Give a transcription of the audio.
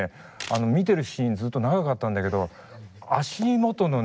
見てるシーンずっと長かったんだけど足元のね